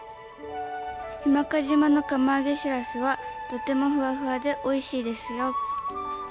日間賀島の釜揚げしらすはとてもふわふわでおいしいですよ。